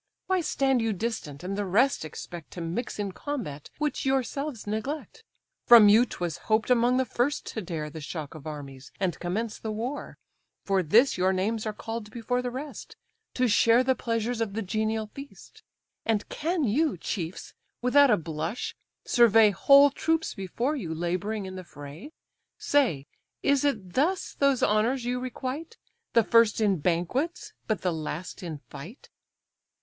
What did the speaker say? Why stand you distant, and the rest expect To mix in combat which yourselves neglect? From you 'twas hoped among the first to dare The shock of armies, and commence the war; For this your names are call'd before the rest, To share the pleasures of the genial feast: And can you, chiefs! without a blush survey Whole troops before you labouring in the fray? Say, is it thus those honours you requite? The first in banquets, but the last in fight."